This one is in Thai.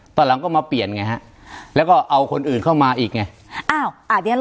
ตอนหลังก็มาเปลี่ยนไงฮะแล้วก็เอาคนอื่นเข้ามาอีกไง